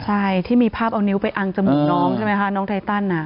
ใช่ที่มีภาพเอานิ้วไปอังจมูกน้องใช่ไหมคะน้องไทตัน